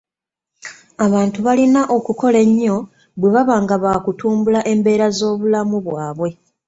Abantu balina okukola ennyo bwe baba nga baakutumbula embeera z'obulamu bwabwe.